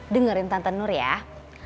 dengarin tante nulis